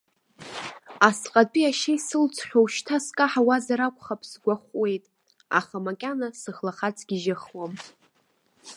Асҟатәи ашьа исылҵхьоу шьҭа скаҳауазар акәхап сгәахәуеит, аха макьана схлахаҵ гьежьыхуам.